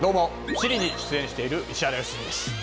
「地理」に出演している石原良純です。